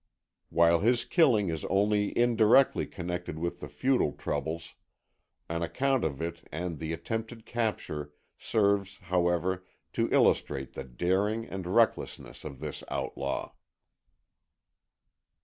While this killing is only indirectly connected with the feudal troubles, an account of it and the attempted capture serves, however, to illustrate the daring and recklessness of this outlaw.